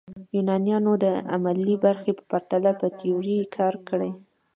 یونانیانو د عملي برخې په پرتله په تیوري کار کړی.